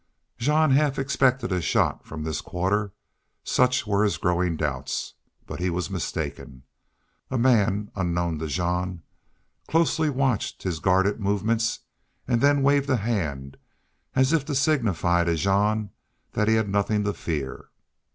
Jean half expected a shot from this quarter, such were his growing doubts, but he was mistaken. A man, unknown to Jean, closely watched his guarded movements and then waved a hand, as if to signify to Jean that he had nothing to fear.